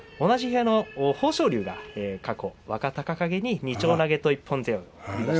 同じ部屋の豊昇龍が過去若隆景に二丁投げと一本背負い。